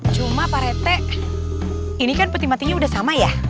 cuma pak rete ini kan peti matinya udah sama ya